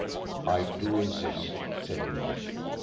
"I do insist," said he.